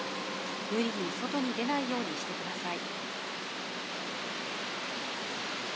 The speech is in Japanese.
むりに外に出ないようにしてください」。